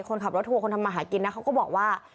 คนขับรถทัวร์คนทำมาหากินนะเขาก็บอกว่า